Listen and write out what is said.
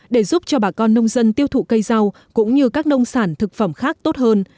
để giúp cho bà con nông dân tiêu thụ cây rau cũng như các nông sản thực phẩm khác tốt hơn